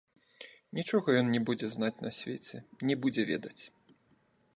Нічога ён не будзе знаць на свеце, не будзе ведаць.